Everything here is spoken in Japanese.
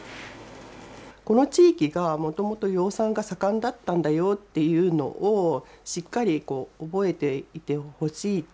この地域がもともと養蚕が盛んだったんだよというのを、しっかり覚えていてほしい。